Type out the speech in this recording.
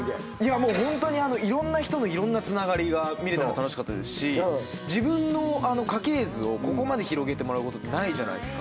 もうホントにいろんな人のいろんなつながりが見れたのが楽しかったですし自分の家系図をここまで広げてもらうことってないじゃないですか。